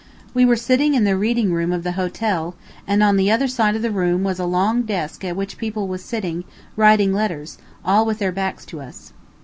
We were sitting in the reading room of the hotel, and on the other side of the room was a long desk at which people was sitting, writing letters, all with their backs to us.